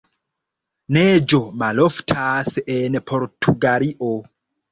Neĝo maloftas en Portugalio.